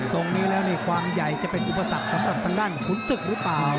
ตรงนี้แล้วนี่ความใหญ่จะเป็นอุปสรรคสำหรับทางด้านขุนศึกหรือเปล่า